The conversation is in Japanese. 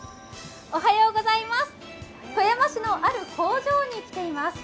富山市のある工場に来ています。